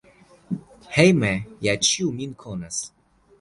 Hejme ja ĉiu min konas.